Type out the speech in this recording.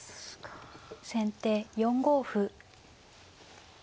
先手４五歩。